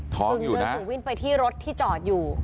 ท้องอยู่นะกึ่งเดินกึ่งวิ่งไปที่รถที่จอดอยู่